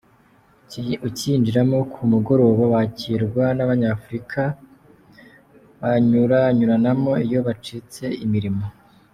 Ukiyinjiramo ku mugoroba, wakirwa n’abanyafurika banyuranyuranamo iyo bacitse imirimo.